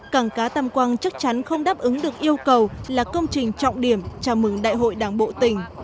cảng cá tam quang chắc chắn không đáp ứng được yêu cầu là công trình trọng điểm chào mừng đại hội đảng bộ tỉnh